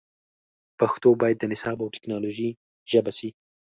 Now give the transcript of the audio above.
پښتو باید د نصاب او ټکنالوژۍ ژبه سي